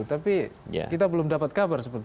tapi kita belum dapat kabar